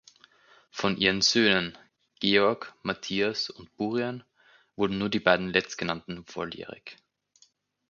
Von ihren Söhnen Georg, Matthias und Burian wurden nur die beiden letztgenannten volljährig.